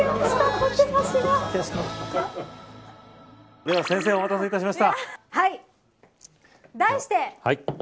では先生お待たせいたしました。